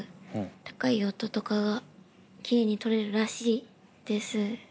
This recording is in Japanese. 高い音とかがきれいに録れるらしいです。